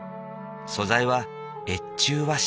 素材は越中和紙。